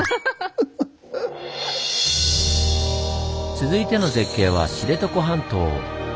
続いての絶景は知床半島。